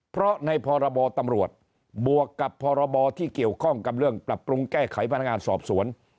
เพราะในพรบตำรวจบวกกับพรบที่เกี่ยวข้องกับเรื่องปรับปรุงแก้ไขพนักงานสอบสวน